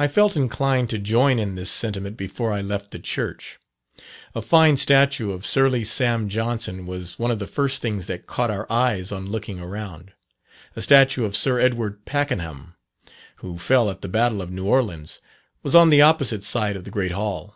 I felt inclined to join in this sentiment before I left the church. A fine statue of "Surly Sam" Johnson was one of the first things that caught our eyes on looking around. A statue of Sir Edward Packenham, who fell at the Battle of New Orleans, was on the opposite side of the great hall.